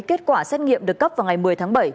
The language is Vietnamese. kết quả xét nghiệm được cấp vào ngày một mươi tháng bảy